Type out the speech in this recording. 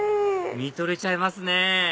見とれちゃいますね